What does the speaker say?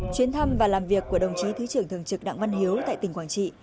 chuyến thăm và làm việc của đồng chí thứ trưởng thường trực đặng văn hiếu tại tỉnh quảng trị